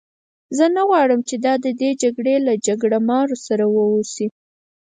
زه نه غواړم چې دا د دې جګړې له جګړه مارو سره وه اوسي.